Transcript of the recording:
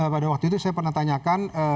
pada waktu itu saya pernah tanyakan